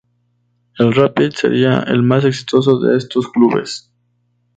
El Rapid sería el más exitoso de estos clubes.